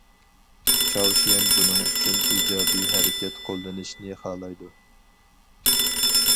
چاۋشيەن بۇنىڭ ئۈچۈن ئىجابىي ھەرىكەت قوللىنىشنى خالايدۇ.